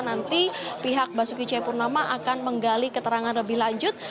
nanti pihak basuki cepurnama akan menggali keterangan lebih lanjut